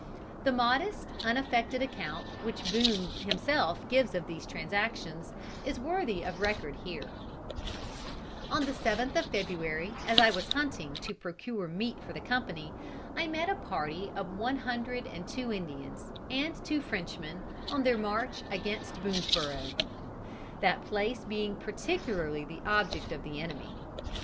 The modest, unaffected account which Boone himself gives of these transactions, is worthy of record here: "On the seventh of February, as I was hunting to procure meat for the company, I met a party of one hundred and two Indians, and two Frenchmen, on their march against Boonesborough; that place being particularly the object of the enemy.